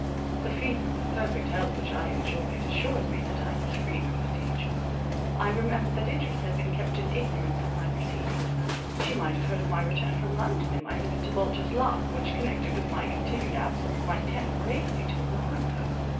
The feeling of perfect health which I enjoyed, assured me that I was free from contagion. I remembered that Idris had been kept in ignorance of my proceedings. She might have heard of my return from London, and my visit to Bolter's Lock, which, connected with my continued absence, might tend greatly to alarm her.